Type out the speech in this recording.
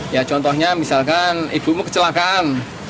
ya contohnya misalkan ibumu kecelakaan